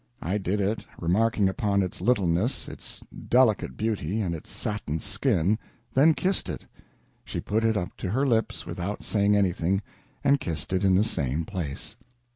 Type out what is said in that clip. I did it, remarking upon its littleness, its delicate beauty, and its satin skin, then kissed it; she put it up to her lips without saying anything and kissed it in the same place.